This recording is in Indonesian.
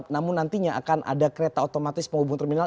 namun nantinya akan ada kereta otomatis penghubung terminal